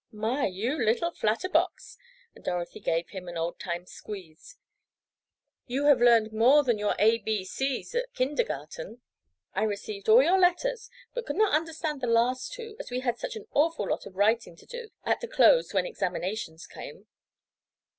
"My, you little flatterbox!" and Dorothy gave him an oldtime squeeze. "You have learned more than your A, B, Cs. at kindergarten. I received all your letters but could not answer the last two as we had such an awful lot of writing to do at the close when examinations came."